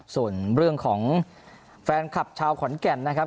ส่วนเรื่องของแฟนคลับชาวขอนแก่นนะครับ